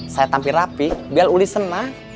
saya tampil rapih biar uli senang